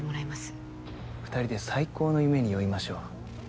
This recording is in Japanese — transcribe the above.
２人で最高の夢に酔いましょう。